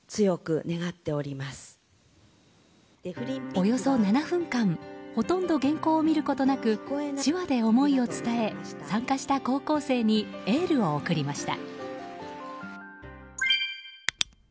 およそ７分間ほとんど原稿を見ることなく手話で思いを伝え参加した高校生にエールを送りました。